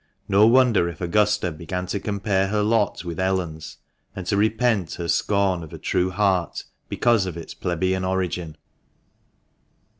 No wonder if Augusta began to compare her lot with Ellen's, and to repent her scorn of a true heart because of its plebeian origin.